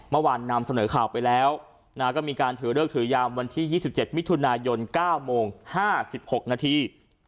นำเสนอข่าวไปแล้วก็มีการถือเลิกถือยามวันที่๒๗มิถุนายน๙โมง๕๖นาที